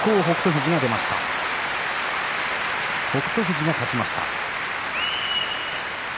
富士が勝ちました。